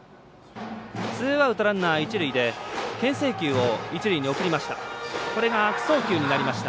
ツーアウト、ランナー、一塁でけん制球を一塁に送りました。